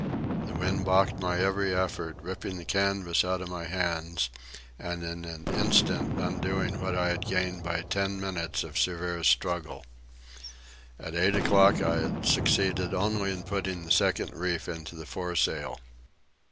The wind balked my every effort, ripping the canvas out of my hands and in an instant undoing what I had gained by ten minutes of severest struggle. At eight o'clock I had succeeded only in putting the second reef into the foresail.